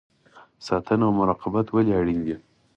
ساتنه او مراقبت ولې اړین دی؟